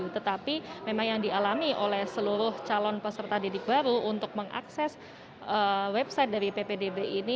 tetapi memang yang dialami oleh seluruh calon peserta didik baru untuk mengakses website dari ppdb ini